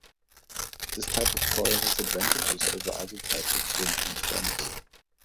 This type of coil has advantages over other types of current transformers.